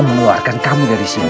mengeluarkan kamu dari sini